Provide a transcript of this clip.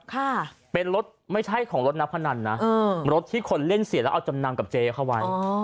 ค่ะเป็นรถไม่ใช่ของรถนักพนันนะเออรถที่คนเล่นเสียแล้วเอาจำนำกับเจ๊เข้าไว้อ๋อ